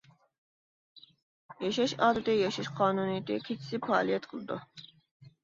ياشاش ئادىتى ياشاش قانۇنىيىتى كېچىسى پائالىيەت قىلىدۇ.